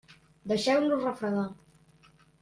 Deixeu-los refredar.